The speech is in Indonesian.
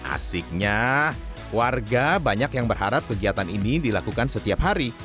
asiknya warga banyak yang berharap kegiatan ini dilakukan setiap hari